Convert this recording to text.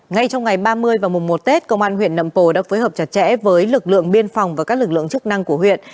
ngay trong ngày ba mươi và mùng một tết công an huyện nậm pồ đã phối hợp chặt chẽ với lực lượng biên phòng và các lực lượng chức năng của huyện